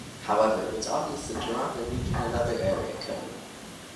However, it was obvious that Toronto needed another area code.